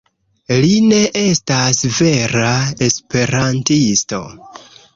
Li ne estas vera esperantisto